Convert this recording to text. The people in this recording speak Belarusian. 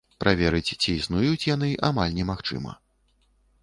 Праверыць, ці існуюць яны, амаль немагчыма.